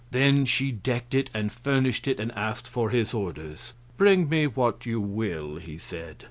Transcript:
Then she decked it and furnished it, and asked for his orders. "Bring me what you will," he said.